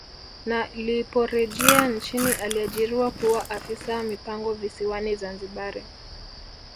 Na liporejea nchini aliajiriwa kuwa afisa mipango visiwani Zanzibari